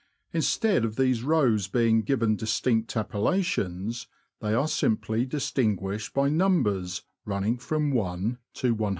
Instead of these rows being given distinct appellations, they are simply distin guished by numbers running from i to 160.